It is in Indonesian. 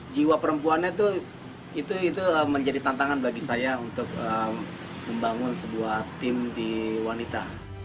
jiwa perempuannya itu menjadi tantangan bagi saya untuk membangun sebuah tim di wanita